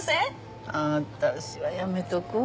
私はやめとくわ。